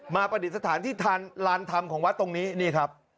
มาปฏิสถานทิษฐานลานธรรมของวัดตรงนี้นี่ครับ